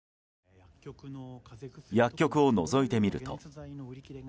薬局をのぞいてみると。